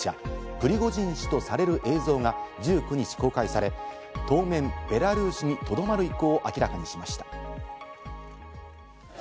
プリゴジン氏とされる映像が１９日公開され、当面ベラルーシにとどまる意向を明らかにしました。